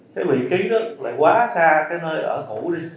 nhưng mà cái vị trí đó lại quá xa cái nơi ở cũ đi